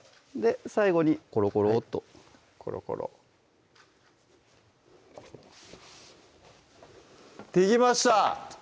最後にコロコロッとコロコロできました